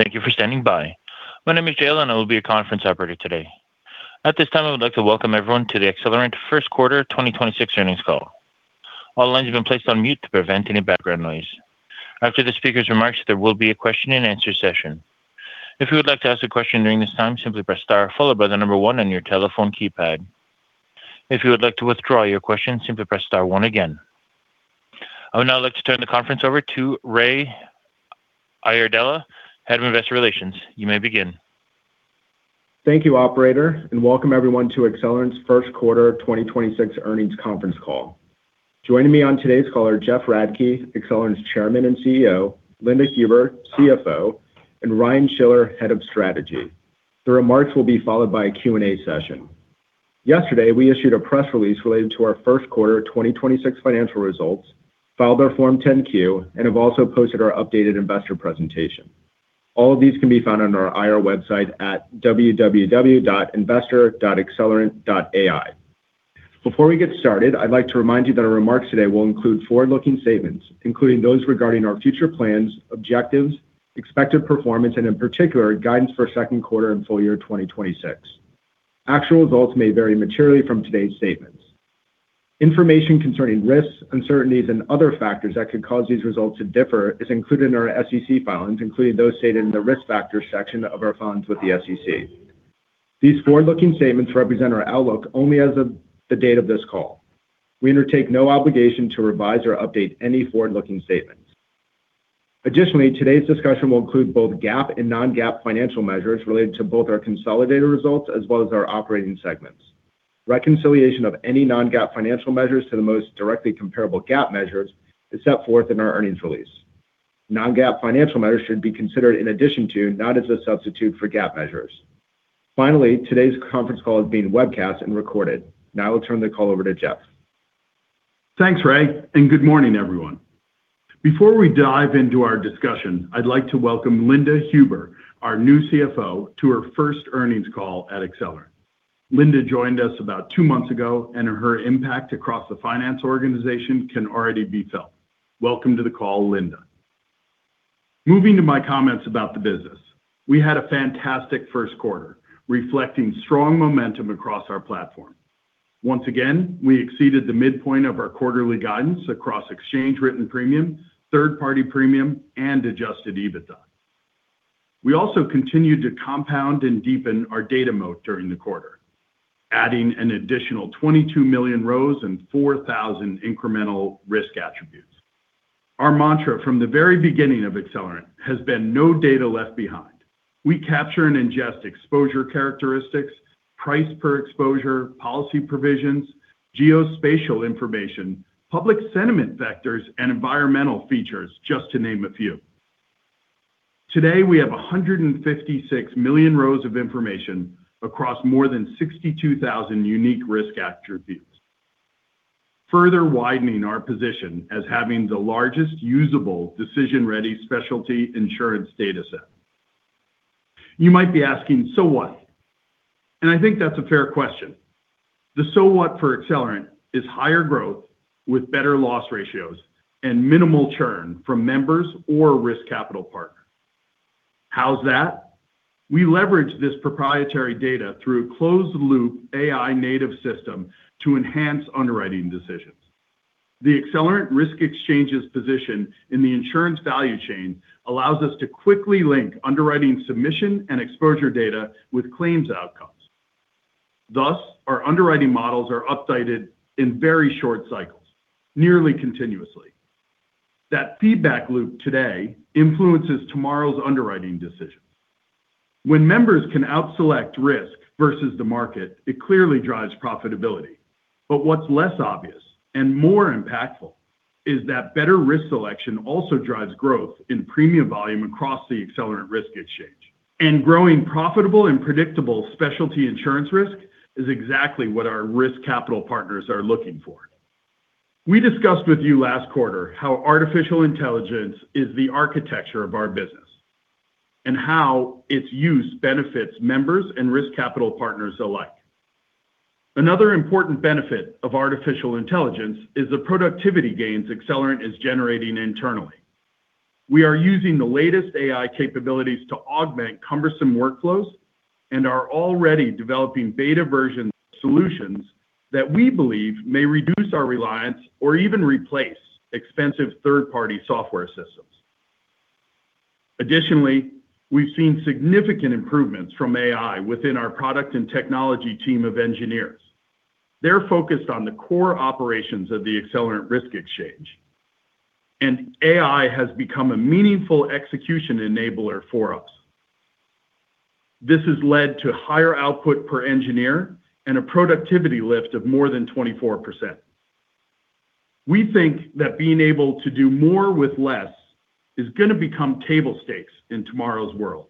Thank you for standing by. My name is Jalen, I will be your conference operator today. At this time, I would like to welcome everyone to the Accelerant first quarter 2026 earnings call. All lines have been placed on mute to prevent any background noise. After the speaker's remarks, there will be a question and answer session. If you would like to ask a question during this time, simply press star followed by the number one on your telephone keypad. If you would like to withdraw your question, simply press star one again. I would now like to turn the conference over to Ray Iardella, Head of Investor Relations. You may begin. Thank you, operator, and welcome everyone to Accelerant's first quarter 2026 earnings conference call. Joining me on today's call are Jeff Radke, Accelerant's Chairman and CEO, Linda Huber, CFO, and Ryan Schiller, Head of Strategy. The remarks will be followed by a Q&A session. Yesterday, we issued a press release related to our first quarter 2026 financial results, filed our form 10-Q, and have also posted our updated investor presentation. All of these can be found on our IR website at www.investor.accelerant.ai. Before we get started, I'd like to remind you that our remarks today will include forward-looking statements, including those regarding our future plans, objectives, expected performance, and in particular, guidance for second quarter and full year 2026. Actual results may vary materially from today's statements. Information concerning risks, uncertainties, and other factors that could cause these results to differ is included in our SEC filings, including those stated in the risk factors section of our filings with the SEC. These forward-looking statements represent our outlook only as of the date of this call. We undertake no obligation to revise or update any forward-looking statements. Additionally, today's discussion will include both GAAP and non-GAAP financial measures related to both our consolidated results as well as our operating segments. Reconciliation of any non-GAAP financial measures to the most directly comparable GAAP measures is set forth in our earnings release. Non-GAAP financial measures should be considered in addition to, not as a substitute for GAAP measures. Finally, today's conference call is being webcast and recorded. Now I'll turn the call over to Jeff. Thanks, Ray. Good morning, everyone. Before we dive into our discussion, I'd like to welcome Linda Huber, our new CFO, to her first earnings call at Accelerant. Linda joined us about two months ago, and her impact across the finance organization can already be felt. Welcome to the call, Linda. Moving to my comments about the business. We had a fantastic first quarter, reflecting strong momentum across our platform. Once again, we exceeded the midpoint of our quarterly guidance across exchange written premium, third-party premium, and adjusted EBITDA. We also continued to compound and deepen our data moat during the quarter, adding an additional 22 million rows and 4,000 incremental risk attributes. Our mantra from the very beginning of Accelerant has been no data left behind. We capture and ingest exposure characteristics, price per exposure, policy provisions, geospatial information, public sentiment vectors, and environmental features, just to name a few. Today, we have 156 million rows of information across more than 62,000 unique risk attributes, further widening our position as having the largest usable decision-ready specialty insurance data set. You might be asking, so what? I think that's a fair question. The so what for Accelerant is higher growth with better loss ratios and minimal churn from members or risk capital partners. How's that? We leverage this proprietary data through a closed loop AI native system to enhance underwriting decisions. The Accelerant Risk Exchange's position in the insurance value chain allows us to quickly link underwriting submission and exposure data with claims outcomes. Thus, our underwriting models are updated in very short cycles, nearly continuously. That feedback loop today influences tomorrow's underwriting decisions. When members can out-select risk versus the market, it clearly drives profitability. What's less obvious and more impactful is that better risk selection also drives growth in premium volume across the Accelerant Risk Exchange. Growing profitable and predictable specialty insurance risk is exactly what our risk capital partners are looking for. We discussed with you last quarter how artificial intelligence is the architecture of our business, and how its use benefits members and risk capital partners alike. Another important benefit of artificial intelligence is the productivity gains Accelerant is generating internally. We are using the latest AI capabilities to augment cumbersome workflows and are already developing beta version solutions that we believe may reduce our reliance or even replace expensive third-party software systems. Additionally, we've seen significant improvements from AI within our product and technology team of engineers. They're focused on the core operations of the Accelerant Risk Exchange, and AI has become a meaningful execution enabler for us. This has led to higher output per engineer and a productivity lift of more than 24%. We think that being able to do more with less is gonna become table stakes in tomorrow's world.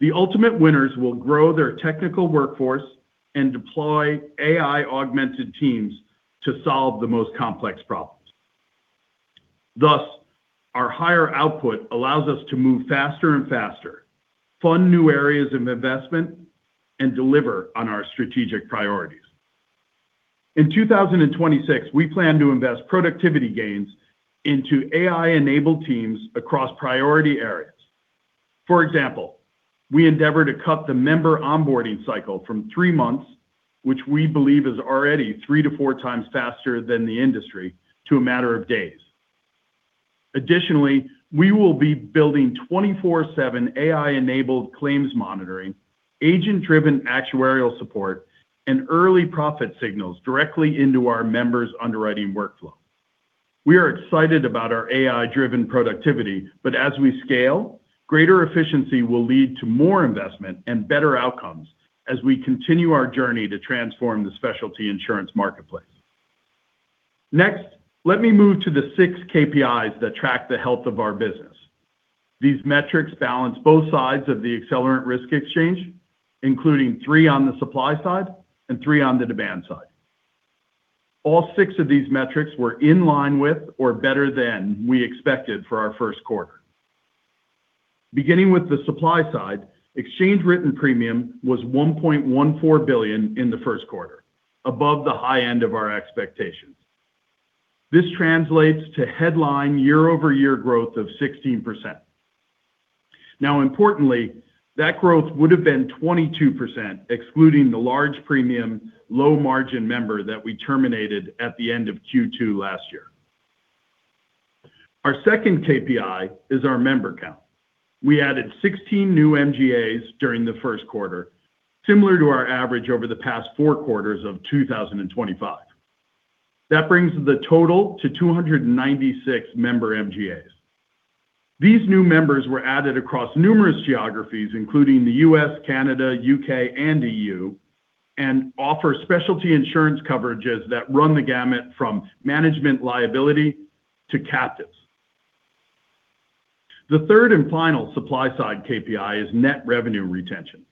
The ultimate winners will grow their technical workforce and deploy AI augmented teams to solve the most complex problems. Our higher output allows us to move faster and faster, fund new areas of investment, and deliver on our strategic priorities. In 2026, we plan to invest productivity gains into AI-enabled teams across priority areas. For example, we endeavor to cut the member onboarding cycle from three months, which we believe is already three to four times faster than the industry, to a matter of days. Additionally, we will be building 24/7 AI-enabled claims monitoring, agent-driven actuarial support, and early profit signals directly into our members' underwriting workflow. We are excited about our AI-driven productivity, but as we scale, greater efficiency will lead to more investment and better outcomes as we continue our journey to transform the specialty insurance marketplace. Next, let me move to the six KPIs that track the health of our business. These metrics balance both sides of the Accelerant Risk Exchange, including three on the supply side and three on the demand side. All six of these metrics were in line with or better than we expected for our first quarter. Beginning with the supply side, exchange written premium was $1.14 billion in the first quarter, above the high end of our expectations. This translates to headline year-over-year growth of 16%. Now importantly, that growth would have been 22%, excluding the large premium low-margin member that we terminated at the end of Q2 last year. Our second KPI is our member count. We added 16 new MGAs during the first quarter, similar to our average over the past four quarters of 2025. That brings the total to 296 member MGAs. These new members were added across numerous geographies, including the U.S., Canada, U.K., and EU, and offer specialty insurance coverages that run the gamut from management liability to captives. The third and final supply-side KPI is net revenue retention.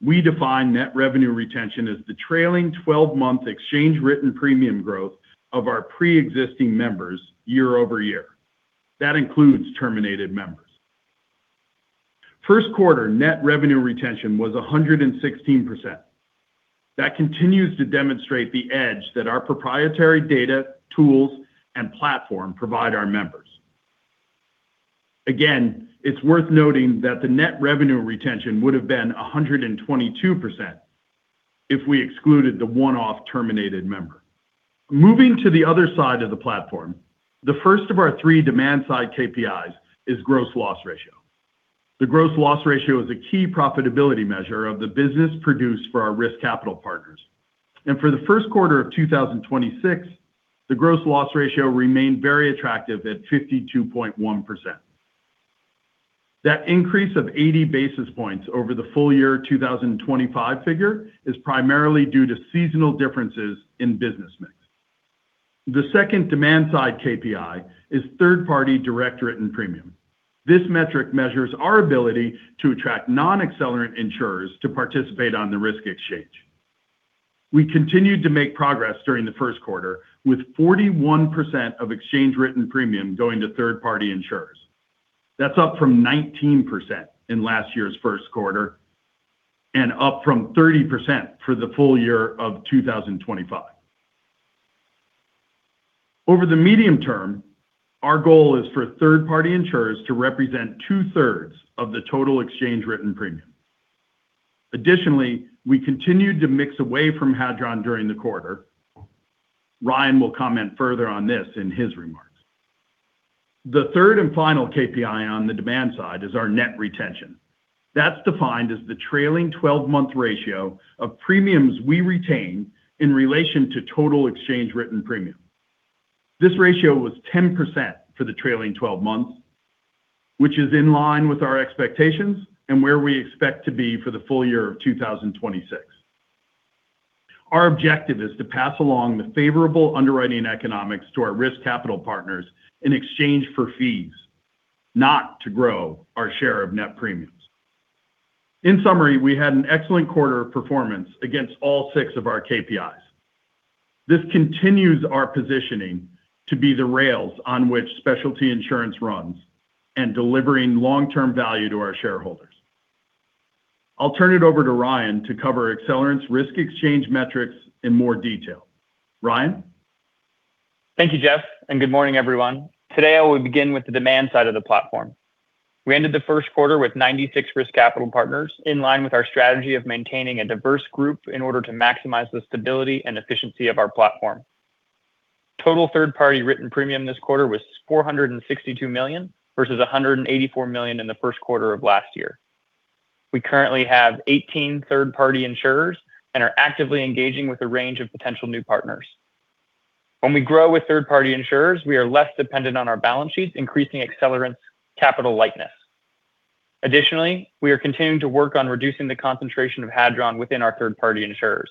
We define net revenue retention as the trailing 12-month exchange written premium growth of our pre-existing members year-over-year. That includes terminated members. First quarter net revenue retention was 116%. That continues to demonstrate the edge that our proprietary data, tools, and platform provide our members. Again, it's worth noting that the net revenue retention would have been 122% if we excluded the one-off terminated member. Moving to the other side of the platform, the first of our three demand-side KPIs is gross loss ratio. The gross loss ratio is a key profitability measure of the business produced for our risk capital partners. For the first quarter of 2026, the gross loss ratio remained very attractive at 52.1%. That increase of 80 basis points over the full year 2025 figure is primarily due to seasonal differences in business mix. The second demand-side KPI is third-party direct written premium. This metric measures our ability to attract non-Accelerant insurers to participate on the risk exchange. We continued to make progress during the first quarter with 41% of exchange written premium going to third-party insurers. That's up from 19% in last year's first quarter and up from 30% for the full year of 2025. Over the medium term, our goal is for third-party insurers to represent two-thirds of the total exchange written premium. Additionally, we continued to mix away from Hadron during the quarter. Ryan will comment further on this in his remarks. The third and final KPI on the demand side is our net retention. That's defined as the trailing 12-month ratio of premiums we retain in relation to total exchange written premium. This ratio was 10% for the trailing 12 months, which is in line with our expectations and where we expect to be for the full year of 2026. Our objective is to pass along the favorable underwriting economics to our risk capital partners in exchange for fees, not to grow our share of net premiums. In summary, we had an excellent quarter of performance against all six of our KPIs. This continues our positioning to be the rails on which specialty insurance runs and delivering long-term value to our shareholders. I'll turn it over to Ryan to cover Accelerant's risk exchange metrics in more detail. Ryan? Thank you, Jeff. Good morning, everyone. Today, I will begin with the demand side of the platform. We ended the first quarter with 96 risk capital partners in line with our strategy of maintaining a diverse group in order to maximize the stability and efficiency of our platform. Total third-party written premium this quarter was $462 million versus $184 million in the first quarter of last year. We currently have 18 third-party insurers and are actively engaging with a range of potential new partners. When we grow with third-party insurers, we are less dependent on our balance sheets, increasing Accelerant's capital lightness. Additionally, we are continuing to work on reducing the concentration of Hadron within our third-party insurers.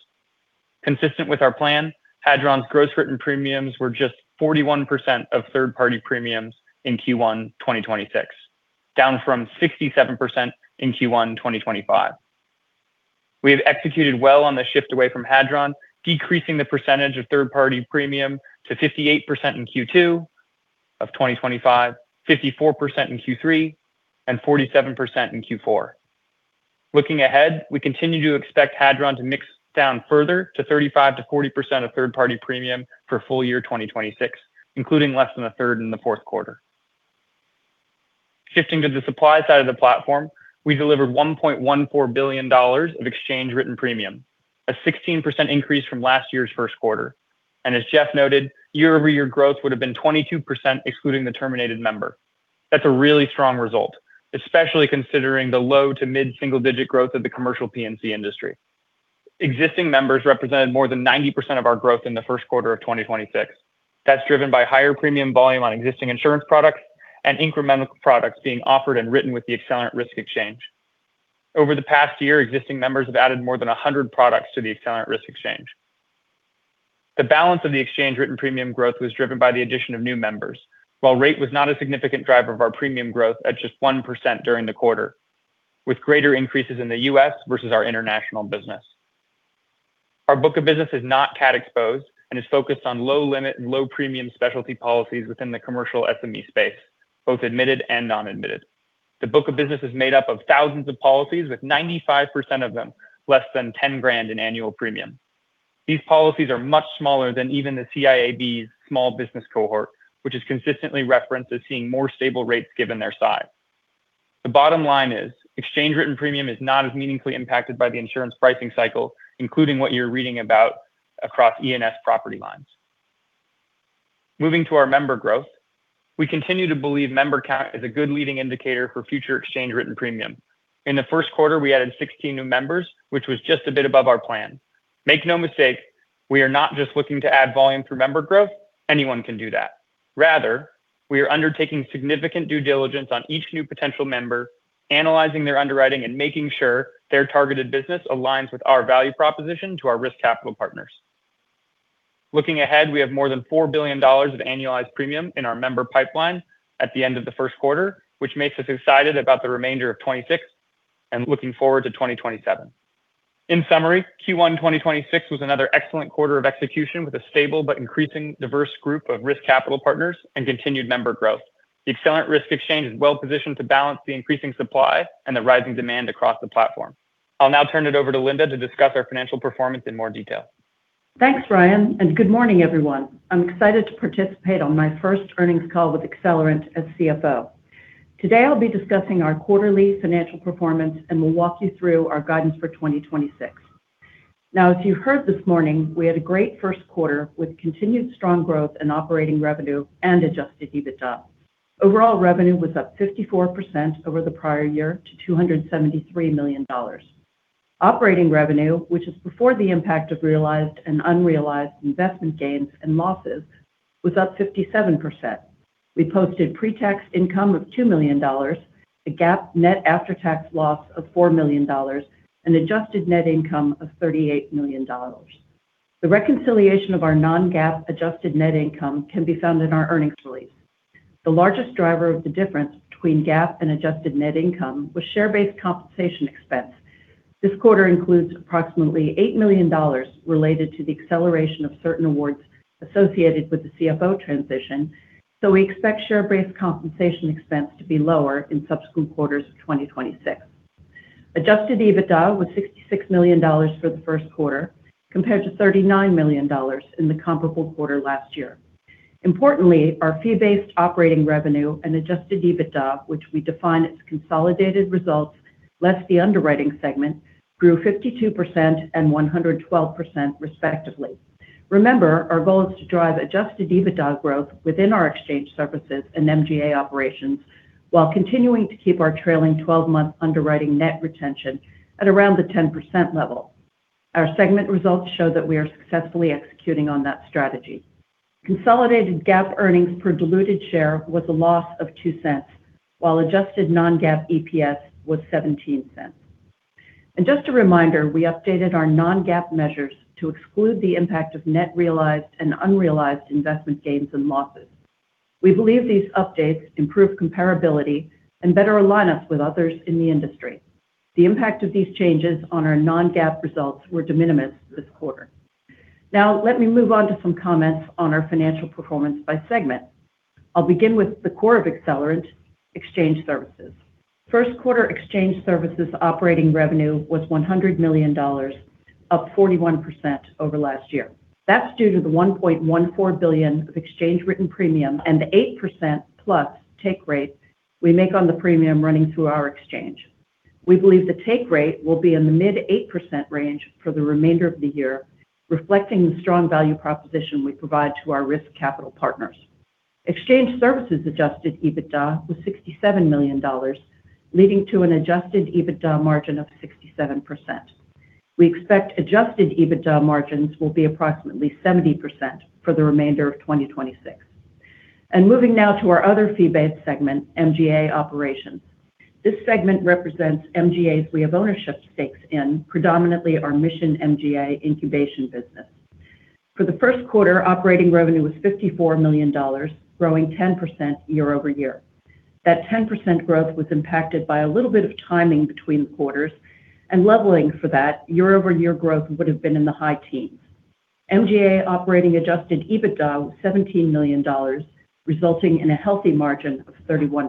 Consistent with our plan, Hadron's gross written premiums were just 41% of third-party premiums in Q1 2026, down from 67% in Q1 2025. We have executed well on the shift away from Hadron, decreasing the percentage of third-party premium to 58% in Q2 2025, 54% in Q3, and 47% in Q4. Looking ahead, we continue to expect Hadron to mix down further to 35%-40% of third-party premium for full year 2026, including less than a third in the fourth quarter. Shifting to the supply side of the platform, we delivered $1.14 billion of exchange written premium, a 16% increase from last year's first quarter. As Jeff noted, year-over-year growth would have been 22% excluding the terminated member. That's a really strong result, especially considering the low to mid single-digit growth of the commercial P&C industry. Existing members represented more than 90% of our growth in the first quarter of 2026. That's driven by higher premium volume on existing insurance products and incremental products being offered and written with the Accelerant Risk Exchange. Over the past year, existing members have added more than 100 products to the Accelerant Risk Exchange. The balance of the exchange written premium growth was driven by the addition of new members. While rate was not a significant driver of our premium growth at just 1% during the quarter, with greater increases in the U.S. versus our international business. Our book of business is not CAT exposed and is focused on low limit and low premium specialty policies within the commercial SME space, both admitted and non-admitted. The book of business is made up of thousands of policies, with 95% of them less than $10,000 in annual premium. These policies are much smaller than even the CIAB's small business cohort, which is consistently referenced as seeing more stable rates given their size. The bottom line is, exchange written premium is not as meaningfully impacted by the insurance pricing cycle, including what you're reading about across E&S property lines. Moving to our member growth. We continue to believe member count is a good leading indicator for future exchange written premium. In the first quarter, we added 16 new members, which was just a bit above our plan. Make no mistake, we are not just looking to add volume through member growth. Anyone can do that. Rather, we are undertaking significant due diligence on each new potential member, analyzing their underwriting and making sure their targeted business aligns with our value proposition to our risk capital partners. Looking ahead, we have more than $4 billion of annualized premium in our member pipeline at the end of the first quarter, which makes us excited about the remainder of 2026 and looking forward to 2027. In summary, Q1 2026 was another excellent quarter of execution with a stable but increasing diverse group of risk capital partners and continued member growth. The Accelerant Risk Exchange is well-positioned to balance the increasing supply and the rising demand across the platform. I'll now turn it over to Linda to discuss our financial performance in more detail. Thanks, Ryan, and good morning, everyone. I'm excited to participate on my first earnings call with Accelerant as CFO. Today, I'll be discussing our quarterly financial performance. We'll walk you through our guidance for 2026. As you heard this morning, we had a great first quarter with continued strong growth in operating revenue and adjusted EBITDA. Overall revenue was up 54% over the prior year to $273 million. Operating revenue, which is before the impact of realized and unrealized investment gains and losses, was up 57%. We posted pre-tax income of $2 million, a GAAP net after-tax loss of $4 million, an adjusted net income of $38 million. The reconciliation of our non-GAAP adjusted net income can be found in our earnings release. The largest driver of the difference between GAAP and adjusted net income was share-based compensation expense. This quarter includes approximately $8 million related to the acceleration of certain awards associated with the CFO transition, so we expect share-based compensation expense to be lower in subsequent quarters of 2026. Adjusted EBITDA was $66 million for the first quarter, compared to $39 million in the comparable quarter last year. Importantly, our fee-based operating revenue and adjusted EBITDA, which we define as consolidated results, less the underwriting segment, grew 52% and 112% respectively. Remember, our goal is to drive adjusted EBITDA growth within our exchange services and MGA operations while continuing to keep our trailing 12 month underwriting net retention at around the 10% level. Our segment results show that we are successfully executing on that strategy. Consolidated GAAP earnings per diluted share was a loss of $0.02, while adjusted non-GAAP EPS was $0.17. Just a reminder, we updated our non-GAAP measures to exclude the impact of net realized and unrealized investment gains and losses. We believe these updates improve comparability and better align us with others in the industry. The impact of these changes on our non-GAAP results were de minimis this quarter. Let me move on to some comments on our financial performance by segment. I'll begin with the core of Accelerant, exchange services. First quarter exchange services operating revenue was $100 million, up 41% over last year. That's due to the $1.14 billion of exchange written premium and the 8%+ take rate we make on the premium running through our exchange. We believe the take rate will be in the mid 8% range for the remainder of the year, reflecting the strong value proposition we provide to our risk capital partners. Exchange services adjusted EBITDA was $67 million, leading to an adjusted EBITDA margin of 67%. We expect adjusted EBITDA margins will be approximately 70% for the remainder of 2026. Moving now to our other fee-based segment, MGA operations. This segment represents MGAs we have ownership stakes in, predominantly our Mission MGA incubation business. For the first quarter, operating revenue was $54 million, growing 10% year-over-year. That 10% growth was impacted by a little bit of timing between quarters and leveling for that year-over-year growth would have been in the high teens. MGA operating adjusted EBITDA was $17 million, resulting in a healthy margin of 31%.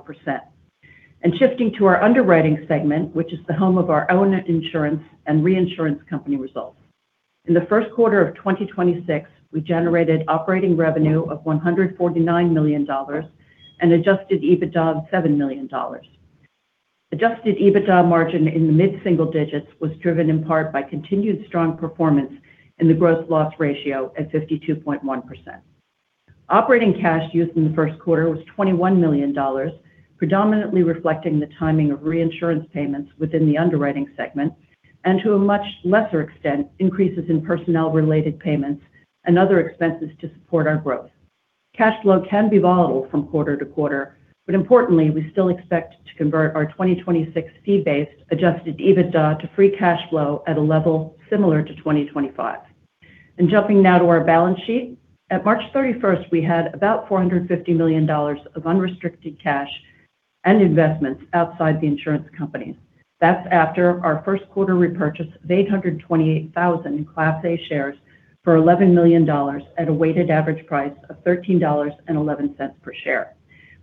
Shifting to our underwriting segment, which is the home of our own insurance and reinsurance company results. In the first quarter of 2026, we generated operating revenue of $149 million and adjusted EBITDA of $7 million. Adjusted EBITDA margin in the mid single-digits was driven in part by continued strong performance in the gross loss ratio at 52.1%. Operating cash used in the first quarter was $21 million, predominantly reflecting the timing of reinsurance payments within the underwriting segment and to a much lesser extent, increases in personnel related payments and other expenses to support our growth. Cash flow can be volatile from quarter to quarter, but importantly, we still expect to convert our 2026 fee-based adjusted EBITDA to free cash flow at a level similar to 2025. Jumping now to our balance sheet. At March 31st, we had about $450 million of unrestricted cash and investments outside the insurance companies. That's after our first quarter repurchase of 828,000 Class A shares for $11 million at a weighted average price of $13.11 per share.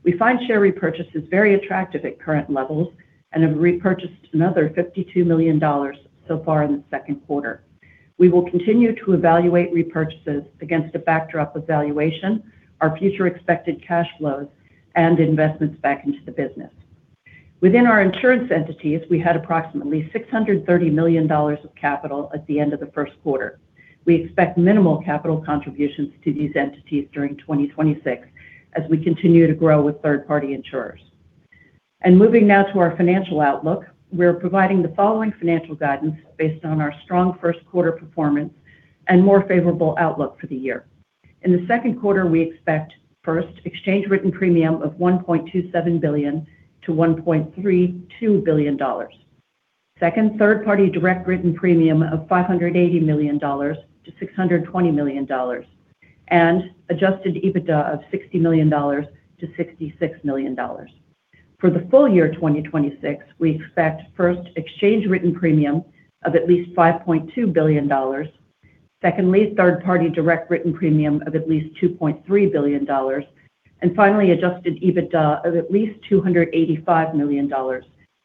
We find share repurchases very attractive at current levels and have repurchased another $52 million so far in the second quarter. We will continue to evaluate repurchases against a backdrop of valuation, our future expected cash flows, and investments back into the business. Within our insurance entities, we had approximately $630 million of capital at the end of the first quarter. We expect minimal capital contributions to these entities during 2026 as we continue to grow with third-party insurers. Moving now to our financial outlook. We're providing the following financial guidance based on our strong first quarter performance and more favorable outlook for the year. In the second quarter, we expect, first, exchange written premium of $1.27 billion-$1.32 billion. Second, third-party direct written premium of $580 million-$620 million and adjusted EBITDA of $60 million-$66 million. For the full year 2026, we expect, first, exchange written premium of at least $5.2 billion. Secondly, third-party direct written premium of at least $2.3 billion. Finally, adjusted EBITDA of at least $285 million,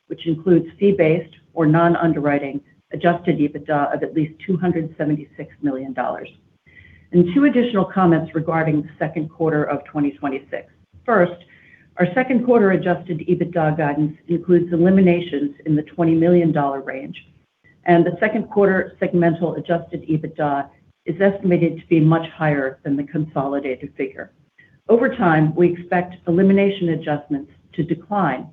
which includes fee-based or non-underwriting adjusted EBITDA of at least $276 million. Two additional comments regarding the second quarter of 2026. First, our second quarter adjusted EBITDA guidance includes eliminations in the $20 million range. The second quarter segmental adjusted EBITDA is estimated to be much higher than the consolidated figure. Over time, we expect elimination adjustments to decline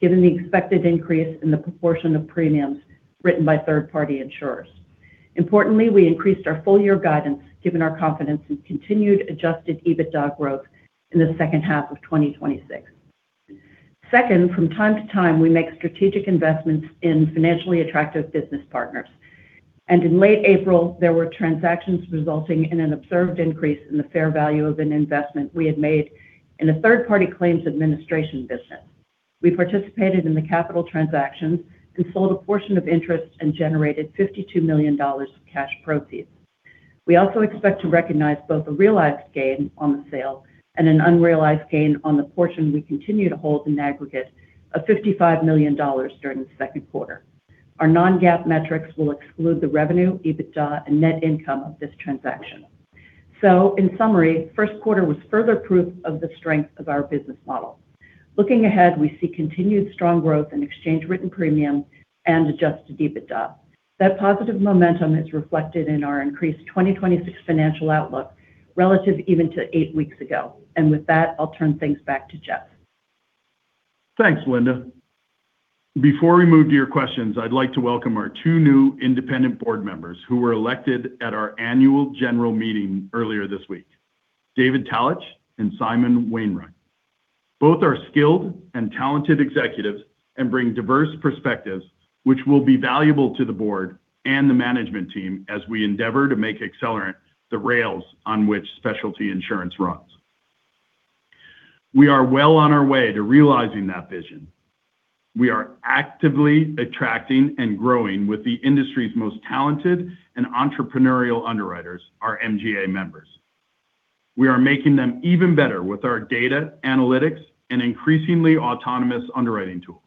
given the expected increase in the proportion of premiums written by third-party insurers. Importantly, we increased our full year guidance given our confidence in continued adjusted EBITDA growth in the second half of 2026. Second, from time to time, we make strategic investments in financially attractive business partners. In late April, there were transactions resulting in an observed increase in the fair value of an investment we had made in a third-party claims administration business. We participated in the capital transactions, sold a portion of interest, and generated $52 million of cash proceeds. We also expect to recognize both a realized gain on the sale and an unrealized gain on the portion we continue to hold in aggregate of $55 million during the second quarter. Our non-GAAP metrics will exclude the revenue, EBITDA, and net income of this transaction. In summary, first quarter was further proof of the strength of our business model. Looking ahead, we see continued strong growth in exchange written premium and adjusted EBITDA. That positive momentum is reflected in our increased 2026 financial outlook relative even to eight weeks ago. With that, I'll turn things back to Jeff. Thanks, Linda. Before we move to your questions, I'd like to welcome our two new independent board members who were elected at our annual general meeting earlier this week, David Talach and Simon Wainwright. Both are skilled and talented executives and bring diverse perspectives, which will be valuable to the board and the management team as we endeavor to make Accelerant the rails on which specialty insurance runs. We are well on our way to realizing that vision. We are actively attracting and growing with the industry's most talented and entrepreneurial underwriters, our MGA members. We are making them even better with our data, analytics, and increasingly autonomous underwriting tools.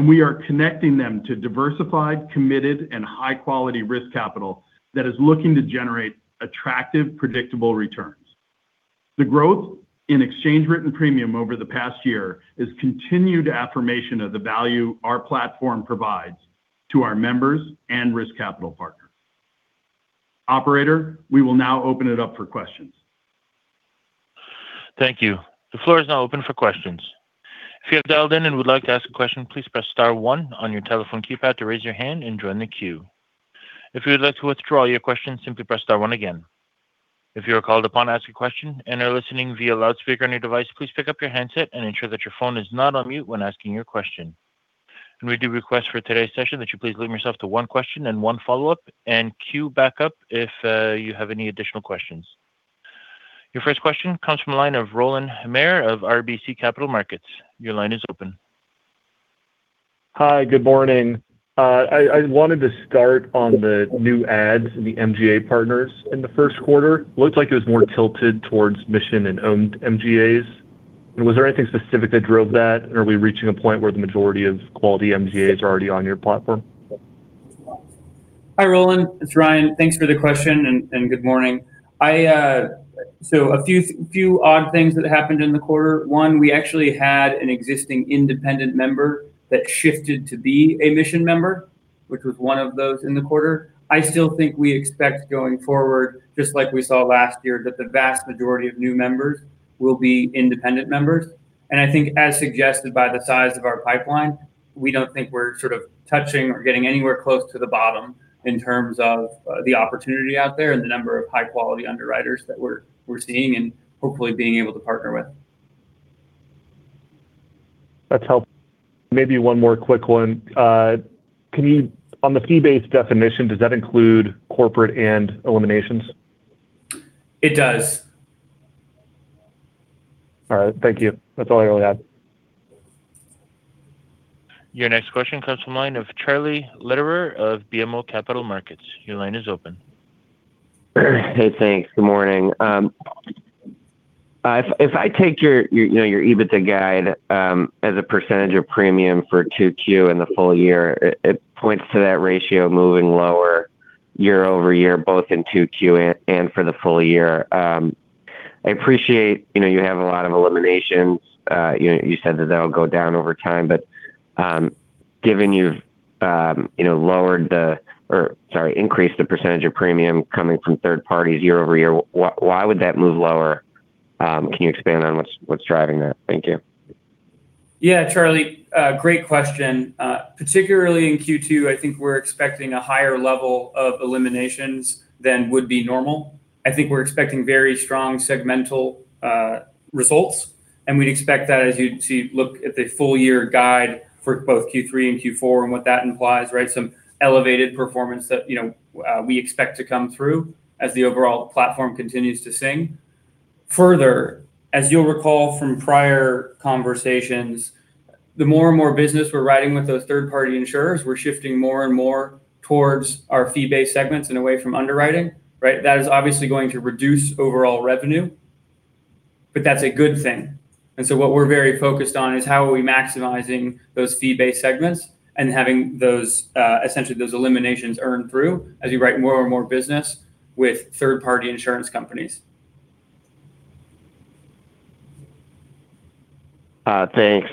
We are connecting them to diversified, committed, and high-quality risk capital that is looking to generate attractive, predictable returns. The growth in exchange written premium over the past year is continued affirmation of the value our platform provides to our members and risk capital partners. Operator, we will now open it up for questions. Thank you. The floor is now open for questions. If you have dialed in and would like to ask a question, please press star one on your telephone keypad to raise your hand and join the queue. If you would like to withdraw your question, simply press star one again. If you are called upon to ask a question and are listening via loudspeaker on your device, please pick up your handset and ensure that your phone is not on mute when asking your question. We do request for today's session that you please limit yourself to one question and one follow-up and queue back up if you have any additional questions. Your first question comes from the line of Rowland Mayor of RBC Capital Markets. Your line is open Hi, good morning. I wanted to start on the new ads in the MGA partners in the first quarter. Looked like it was more tilted towards Mission and owned MGAs. Was there anything specific that drove that? Are we reaching a point where the majority of quality MGAs are already on your platform? Hi Rowland, it's Ryan. Thanks for the question and good morning. I, a few odd things that happened in the quarter. One, we actually had an existing independent member that shifted to be a mission member, which was one of those in the quarter. I still think we expect going forward, just like we saw last year, that the vast majority of new members will be independent members. I think as suggested by the size of our pipeline, we don't think we're sort of touching or getting anywhere close to the bottom in terms of the opportunity out there and the number of high-quality underwriters that we're seeing and hopefully being able to partner with. That's helpful. Maybe one more quick one. can you On the fee-based definition, does that include corporate and eliminations? It does. All right, thank you. That's all I really had. Your next question comes from the line of Charlie Lederer of BMO Capital Markets. Your line is open. Hey, thanks. Good morning. If I take your, you know, your EBITDA guide as a percentage of premium for 2Q and the full year, it points to that ratio moving lower year-over-year, both in 2Q and for the full year. I appreciate, you know, you have a lot of eliminations. You know, you said that they'll go down over time. Given you've, you know, increased the percentage of premium coming from third parties year-over-year, why would that move lower? Can you expand on what's driving that? Thank you. Yeah, Charlie, great question. Particularly in Q2, I think we're expecting a higher level of eliminations than would be normal. I think we're expecting very strong segmental results, and we'd expect that to look at the full year guide for both Q3 and Q4 and what that implies, right? Some elevated performance that, you know, we expect to come through as the overall platform continues to sing. Further, as you'll recall from prior conversations, the more and more business we're writing with those third-party insurers, we're shifting more and more towards our fee-based segments and away from underwriting, right? That is obviously going to reduce overall revenue, but that's a good thing. What we're very focused on is how are we maximizing those fee-based segments and having those, essentially those eliminations earn through as we write more and more business with third-party insurance companies. Thanks.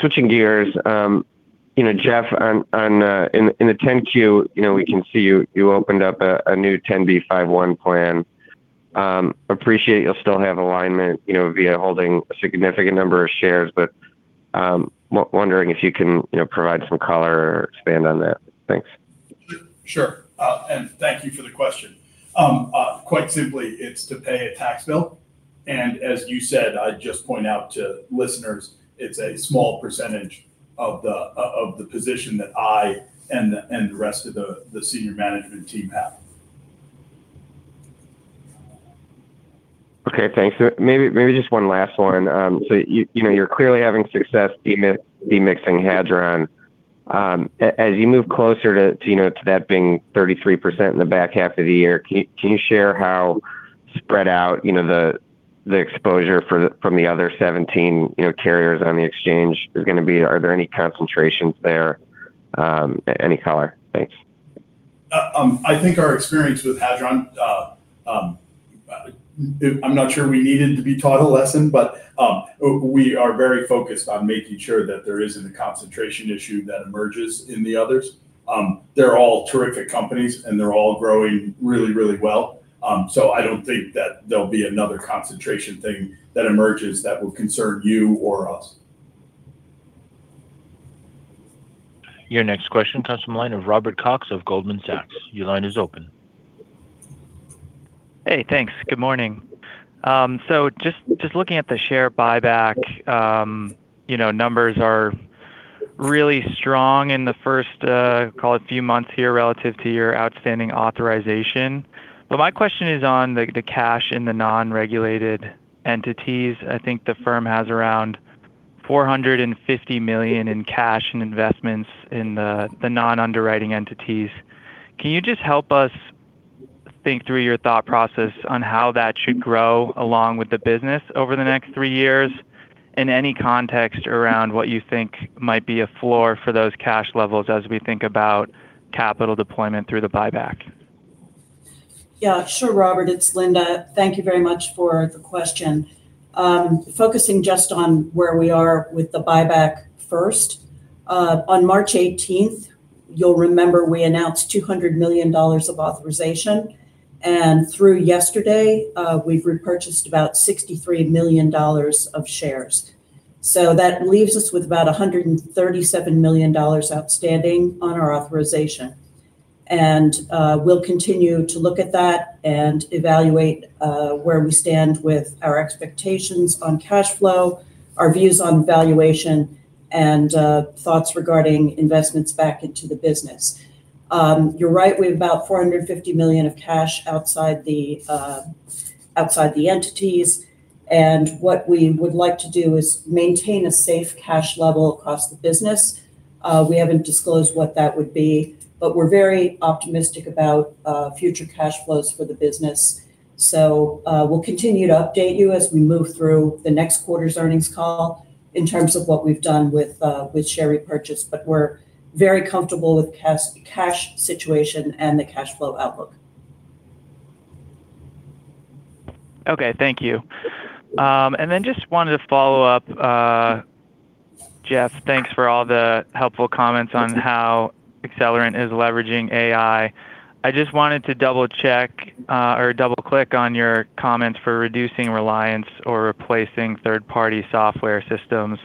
Switching gears, you know, Jeff, in the 10-Q, you know, we can see you opened up a new 10b5-1 plan. Appreciate you'll still have alignment, you know, via holding a significant number of shares, but wondering if you can, you know, provide some color or expand on that. Thanks. Sure. Thank you for the question. Quite simply, it's to pay a tax bill, and as you said, I'd just point out to listeners, it's a small percentage of the position that I and the rest of the senior management team have. Okay, thanks. Maybe just one last one. You know, you're clearly having success demixing Hadron. As you move closer to, you know, to that being 33% in the back half of the year, can you share how spread out, you know, the exposure for the, from the other 17, you know, carriers on the exchange is gonna be? Are there any concentrations there? Any color? Thanks. I think our experience with Hadron, I'm not sure we needed to be taught a lesson, but we are very focused on making sure that there isn't a concentration issue that emerges in the others. They're all terrific companies, and they're all growing really, really well. I don't think that there'll be another concentration thing that emerges that would concern you or us. Your next question comes from the line of Robert Cox of Goldman Sachs. Your line is open. Hey, thanks. Good morning. You know, numbers are really strong in the first call it few months here relative to your outstanding authorization. My question is on the cash in the non-regulated entities. I think the firm has around $450 million in cash and investments in the non-underwriting entities. Can you just help us think through your thought process on how that should grow along with the business over the next three years? In any context around what you think might be a floor for those cash levels as we think about capital deployment through the buyback. Yeah, sure, Robert. It's Linda. Thank you very much for the question. Focusing just on where we are with the buyback first. On March 18th, you'll remember we announced $200 million of authorization. Through yesterday, we've repurchased about $63 million of shares. That leaves us with about $137 million outstanding on our authorization. We'll continue to look at that and evaluate where we stand with our expectations on cash flow, our views on valuation, and thoughts regarding investments back into the business. You're right, we have about $450 million of cash outside the outside the entities. What we would like to do is maintain a safe cash level across the business. We haven't disclosed what that would be, but we're very optimistic about future cash flows for the business. We'll continue to update you as we move through the next quarter's earnings call in terms of what we've done with share repurchase, but we're very comfortable with cash situation and the cash flow outlook. Okay, thank you. Just wanted to follow up, Jeff, thanks for all the helpful comments on how Accelerant is leveraging AI. I just wanted to double-check, or double-click on your comments for reducing reliance or replacing third-party software systems.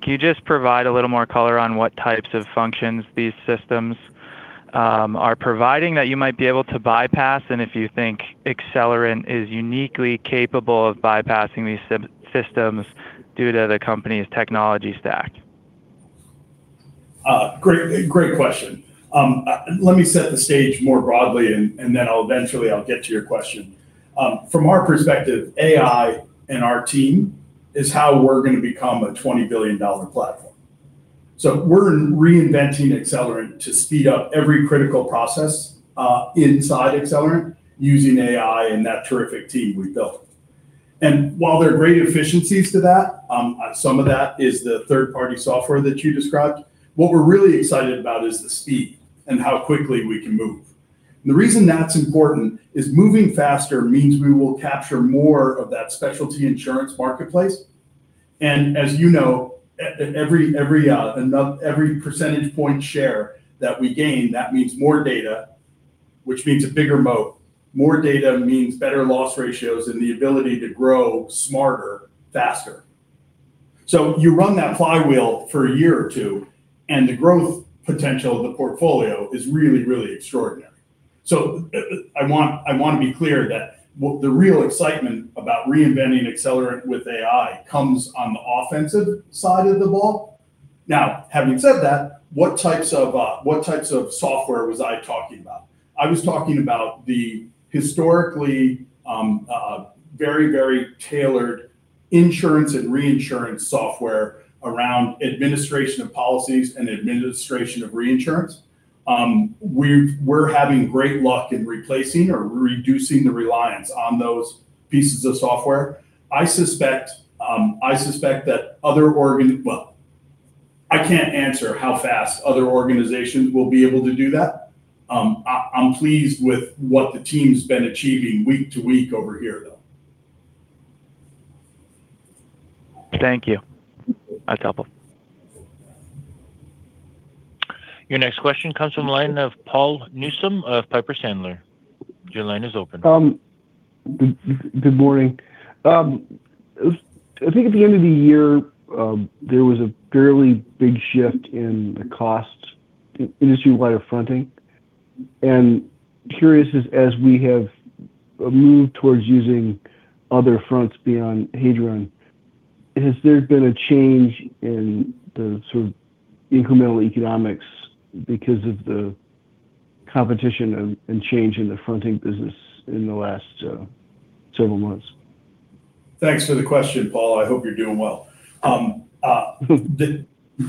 Can you just provide a little more color on what types of functions these systems are providing that you might be able to bypass, and if you think Accelerant is uniquely capable of bypassing these systems due to the company's technology stack? Great question. Let me set the stage more broadly and then I'll eventually get to your question. From our perspective, AI and our team is how we're going to become a $20 billion platform. We're reinventing Accelerant to speed up every critical process inside Accelerant using AI and that terrific team we've built. While there are great efficiencies to that, some of that is the third-party software that you described, what we're really excited about is the speed and how quickly we can move. The reason that's important is moving faster means we will capture more of that specialty insurance marketplace. As you know, at every percentage point share that we gain, that means more data, which means a bigger moat. More data means better loss ratios and the ability to grow smarter, faster. You run that flywheel for a year or two, and the growth potential of the portfolio is really extraordinary. I want to be clear that the real excitement about reinventing Accelerant with AI comes on the offensive side of the ball. Now, having said that, what types of, what types of software was I talking about? I was talking about the historically, very tailored insurance and reinsurance software around administration of policies and administration of reinsurance. We're having great luck in replacing or reducing the reliance on those pieces of software. I suspect that. Well, I can't answer how fast other organizations will be able to do that. I'm pleased with what the team's been achieving week to week over here, though. Thank you. That's helpful. Your next question comes from the line of Paul Newsome of Piper Sandler. Your line is open. Good morning. I think at the end of the year, there was a fairly big shift in the cost industry-wide of fronting. Curious as we have moved towards using other fronts beyond Hadron, has there been a change in the sort of incremental economics because of the competition and change in the fronting business in the last several months? Thanks for the question, Paul. I hope you're doing well.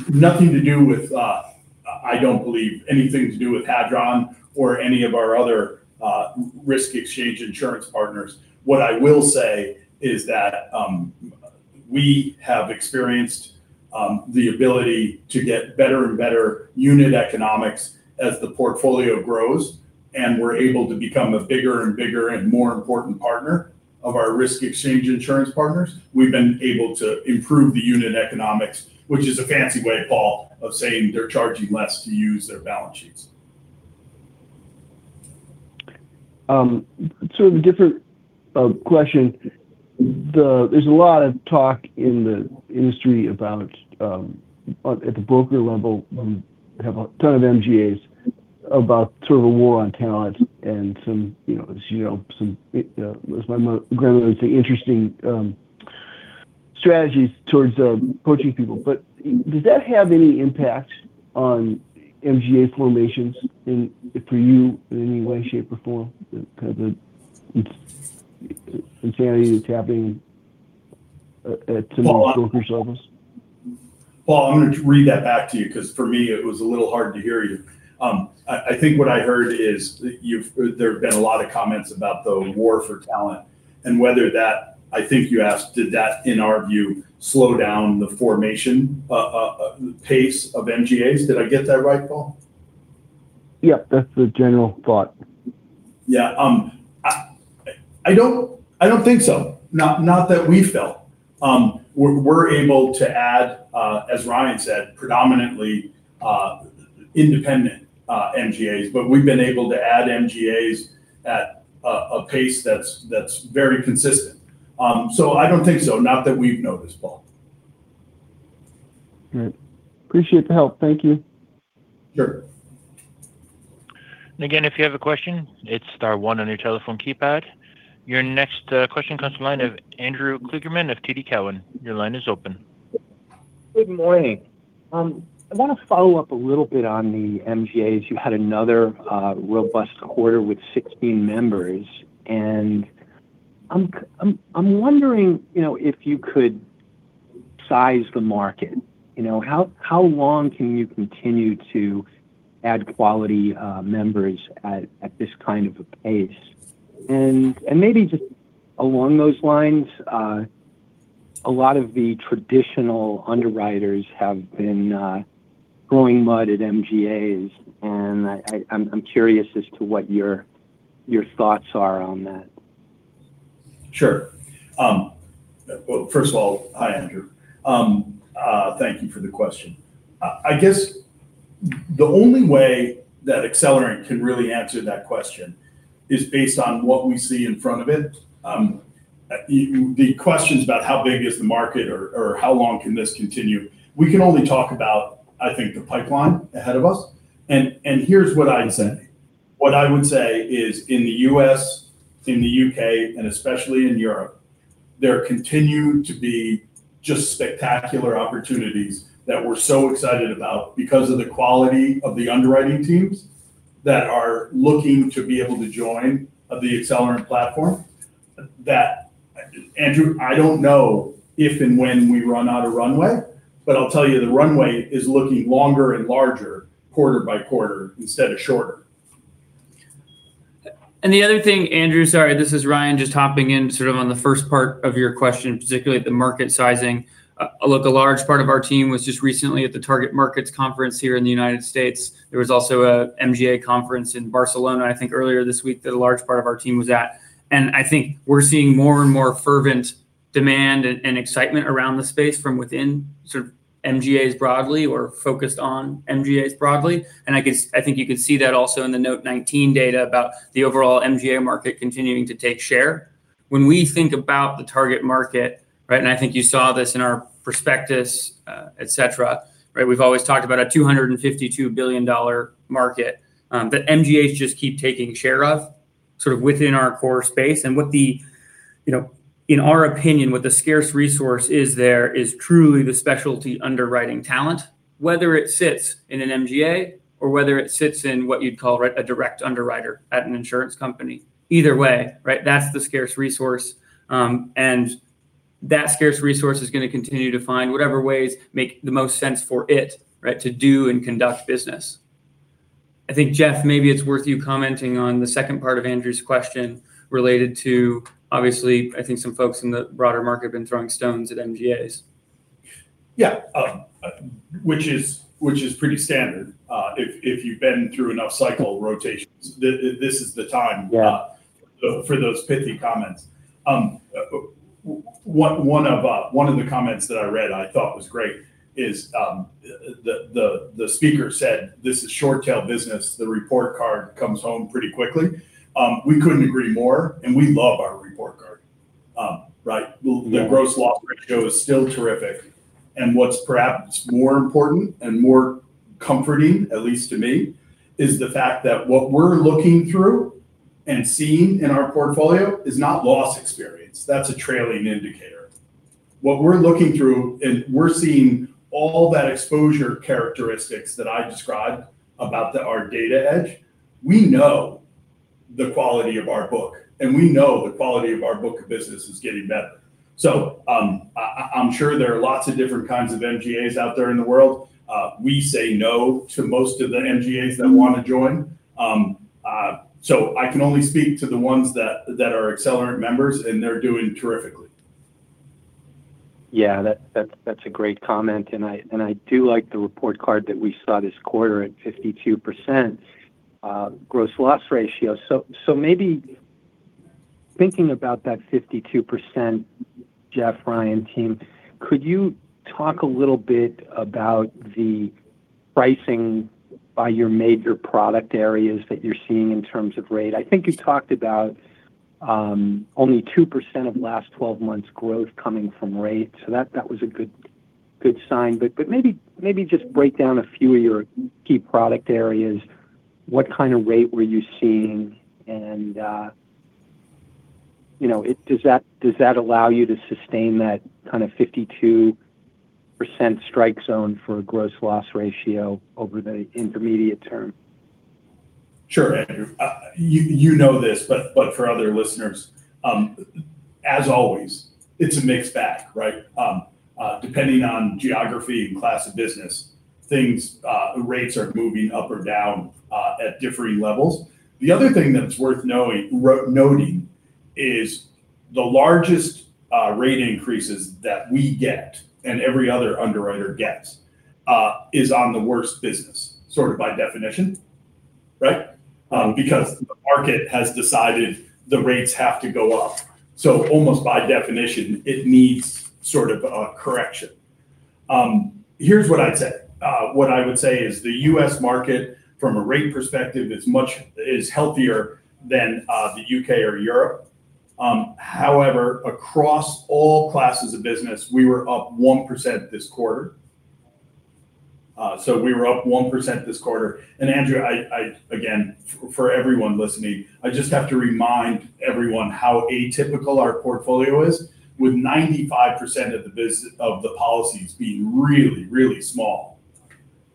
Nothing to do with, I don't believe anything to do with Hadron or any of our other, risk exchange insurance partners. What I will say is that we have experienced the ability to get better and better unit economics as the portfolio grows, and we're able to become a bigger and bigger and more important partner of our risk exchange insurance partners. We've been able to improve the unit economics, which is a fancy way, Paul, of saying they're charging less to use their balance sheets. Sort of a different question. There's a lot of talk in the industry about at the broker level, we have a ton of MGAs, about sort of a war on talent and some, you know, as you know, some as my grandmother would say, interesting strategies towards poaching people. Does that have any impact on MGA formations in, for you in any way, shape, or form? The kind of the insanity that's happening at some broker's office? Paul, I'm gonna read that back to you because for me it was a little hard to hear you. I think what I heard is there have been a lot of comments about the war for talent and whether that, I think you asked, did that, in our view, slow down the formation pace of MGAs. Did I get that right, Paul? Yep, that's the general thought. Yeah. I don't think so. Not that we've felt. We're able to add, as Ryan said, predominantly, independent, MGAs, but we've been able to add MGAs at a pace that's very consistent. I don't think so. Not that we've noticed, Paul. All right. Appreciate the help. Thank you. Sure. Again, if you have a question, it's star one on your telephone keypad. Your next question comes from the line of Andrew Kligerman of TD Cowen. Your line is open. Good morning. I want to follow up a little bit on the MGAs. You had another robust quarter with 16 members, and I'm wondering, you know, if you could size the market. You know, how long can you continue to add quality members at this kind of a pace? Maybe just along those lines, a lot of the traditional underwriters have been throwing mud at MGAs, and I'm curious as to what your thoughts are on that. Sure. Well, first of all, hi, Andrew. Thank you for the question. I guess the only way that Accelerant can really answer that question is based on what we see in front of it. The questions about how big is the market or how long can this continue, we can only talk about, I think, the pipeline ahead of us. Here's what I'd say. What I would say is in the U.S., in the U.K., and especially in Europe, there continue to be just spectacular opportunities that we're so excited about because of the quality of the underwriting teams that are looking to be able to join the Accelerant platform. That, Andrew, I don't know if and when we run out of runway, I'll tell you the runway is looking longer and larger quarter by quarter instead of shorter. The other thing, Andrew, sorry, this is Ryan just hopping in sort of on the first part of your question, particularly the market sizing. Look, a large part of our team was just recently at the Target Markets conference here in the United States. There was also a MGA conference in Barcelona, I think earlier this week, that a large part of our team was at and I think we're seeing more fervent demand and excitement around the space from within sort of MGAs broadly or focused on MGAs broadly. I think you can see that also in the note 19 data about the overall MGA market continuing to take share. When we think about the target market, right, I think you saw this in our prospectus, et cetera, right? We've always talked about a $252 billion market that MGAs just keep taking share of, sort of within our core space. What the, you know, in our opinion, what the scarce resource is there is truly the specialty underwriting talent, whether it sits in an MGA or whether it sits in what you'd call a direct underwriter at an insurance company. Either way, right, that's the scarce resource. That scarce resource is gonna continue to find whatever ways make the most sense for it, right, to do and conduct business. I think, Jeff, maybe it's worth you commenting on the second part of Andrew's question related to obviously, I think some folks in the broader market have been throwing stones at MGAs. Yeah, which is pretty standard. If you've been through enough cycle rotations. Yeah. For those pithy comments. One of the comments that I read I thought was great is, the speaker said, this is short tail business. The report card comes home pretty quickly. We couldn't agree more, and we love our report card, right. Yeah. The gross loss ratio is still terrific. What's perhaps more important and more comforting, at least to me, is the fact that what we're looking through and seeing in our portfolio is not loss experience. That's a trailing indicator. What we're looking through, and we're seeing all that exposure characteristics that I described about our data edge. We know the quality of our book, and we know the quality of our book of business is getting better. I, I'm sure there are lots of different kinds of MGAs out there in the world. We say no to most of the MGAs that want to join. I can only speak to the ones that are Accelerant members, and they're doing terrifically. That's a great comment. I do like the report card that we saw this quarter at 52% gross loss ratio. Maybe thinking about that 52%, Jeff, Ryan, team, could you talk a little bit about the pricing by your major product areas that you're seeing in terms of rate? I think you talked about only 2% of last 12 months growth coming from rate. That was a good sign. Maybe just break down a few of your key product areas. What kind of rate were you seeing? You know, does that allow you to sustain that kind of 52% strike zone for a gross loss ratio over the intermediate term? Sure, Andrew. You know this, for other listeners, as always, it's a mixed bag, right? Depending on geography and class of business, things, rates are moving up or down at differing levels. The other thing that's worth noting is the largest rate increases that we get, and every other underwriter gets, is on the worst business, sort of by definition, right? Because the market has decided the rates have to go up. Almost by definition, it needs sort of a correction. Here's what I'd say. What I would say is the U.S. market from a rate perspective is healthier than the U.K. or Europe. However, across all classes of business, we were up 1% this quarter. Andrew, again, for everyone listening, I just have to remind everyone how atypical our portfolio is, with 95% of the policies being really, really small.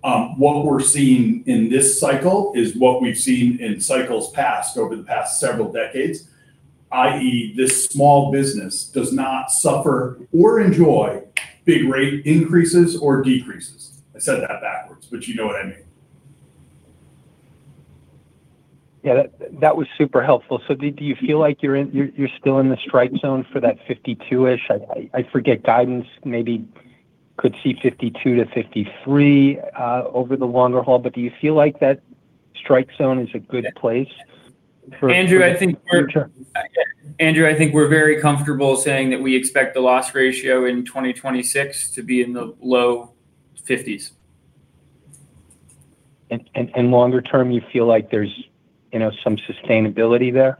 What we're seeing in this cycle is what we've seen in cycles past, over the past several decades, i.e., the small business does not suffer or enjoy big rate increases or decreases. I said that backwards, you know what I mean. Yeah. That was super helpful. Do you feel like you're still in the strike zone for that 52-ish? I forget guidance, maybe could see 52%-53%, over the longer haul. Do you feel like that strike zone is a good place for. Andrew, I think. Future? Andrew, I think we're very comfortable saying that we expect the loss ratio in 2026 to be in the low-50s. Longer term, you feel like there's, you know, some sustainability there?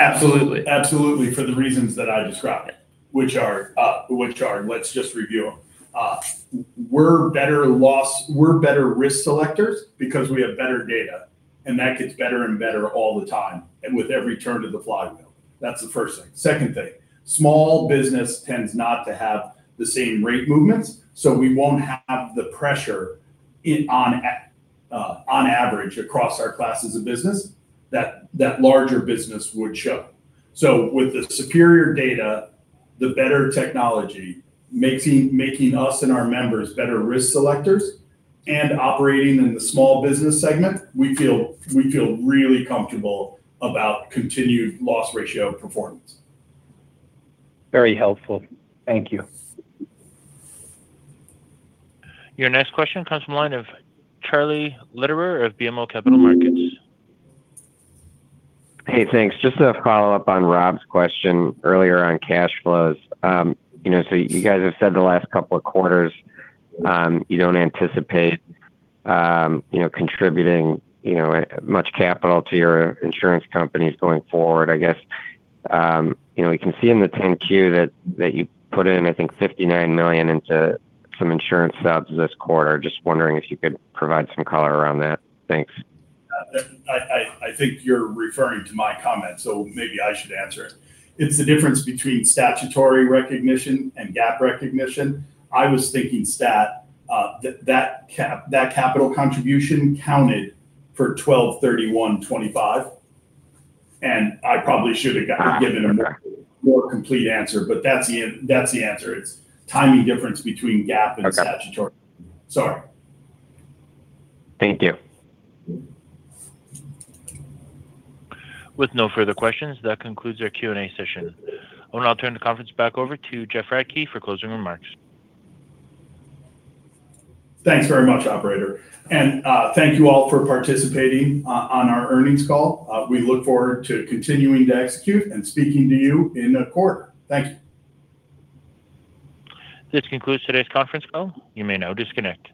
Absolutely. Absolutely, for the reasons that I described. Which are, and let's just review them. We're better risk selectors because we have better data, and that gets better and better all the time, and with every turn of the flywheel. That's the first thing. Second thing, small business tends not to have the same rate movements, so we won't have the pressure in, on average across our classes of business that larger business would show. With the superior data, the better technology, making us and our members better risk selectors, and operating in the small business segment, we feel really comfortable about continued loss ratio performance. Very helpful. Thank you. Your next question comes from the line of Charlie Lederer of BMO Capital Markets. Hey, thanks. Just to follow up on Rob's question earlier on cash flows. You know, you guys have said the last couple of quarters, you don't anticipate, you know, contributing, much capital to your insurance companies going forward. I guess, you know, we can see in the 10-Q that you put in, I think, $59 million into some insurance subs this quarter. Just wondering if you could provide some color around that. Thanks. That, I think you're referring to my comment, so maybe I should answer it. It's the difference between statutory recognition and GAAP recognition. I was thinking stat, that capital contribution counted for 12/31/25, and I probably should have given a more- more complete answer. That's the answer. It's timing difference between GAAP and statutory. Okay. Sorry. Thank you. With no further questions, that concludes our Q&A session. I'm gonna turn the conference back over to Jeff Radke for closing remarks. Thanks very much, operator. Thank you all for participating on our earnings call. We look forward to continuing to execute and speaking to you in a quarter. Thank you. This concludes today's conference call. You may now disconnect.